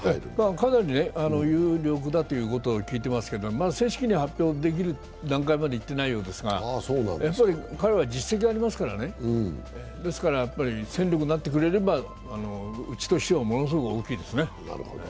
かなり有力だと聞いてますけど正式には発表できる段階まではいっていないようですが、彼は実績がありますから、ですから戦力になってくれれば、うちとしては、ものすごく大きいですね。